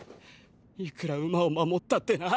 いくら馬を守ったってなぁ